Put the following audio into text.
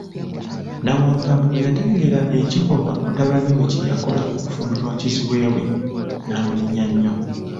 Nnawampamba bwe yategeera ekikolwa mutabani we kye yakola okufumbirwa kizibwe we, n'amunenya nnyo.